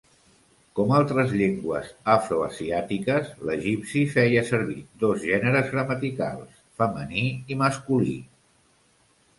Com altres llengües afroasiàtiques, l'egipci feia servir dos gèneres gramaticals, femení i masculí.